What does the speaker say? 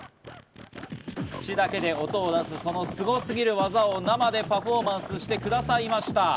口だけで音を出す、そのすごすぎる技を生でパフォーマンスしてくださいました。